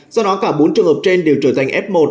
do đó cả bốn trường hợp trên đều trở thành f một